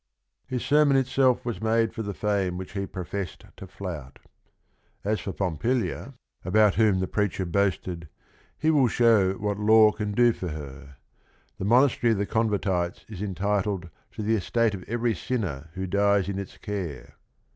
" His sermon itself was made for the fame which he professed to flout. As for Pompilia, about 208 THE RING AND THE BOOK whom the preacher boasted, he will show what law can do for her. The Monastery of the Con vertites is entitled to the estate of every sinner who dies in its care.